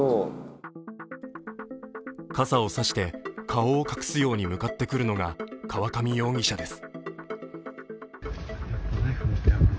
傘を差して、顔を隠すように向かってくるのが河上容疑者です。